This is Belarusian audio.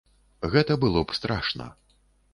Гэта было б страшна!